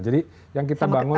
jadi yang kita bangun itu